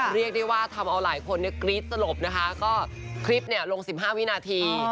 เรียกได้ว่าทำเอาหลายคนเนี่ยกรี๊ดสลบนะคะก็คลิปเนี่ยลง๑๕วินาที